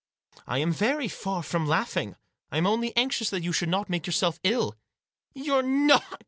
" I am very far from laughing. I am only anxious that you should not make yourself ill." " You're not